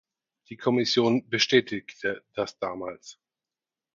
Die Kommission bestätigte das damals.